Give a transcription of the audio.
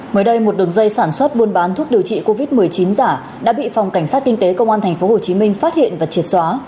mới đây một đường dây sản xuất buôn bán thuốc điều trị covid một mươi chín giả đã bị phòng cảnh sát kinh tế công an tp hcm phát hiện và triệt xóa